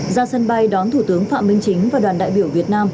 ra sân bay đón thủ tướng phạm minh chính và đoàn đại biểu việt nam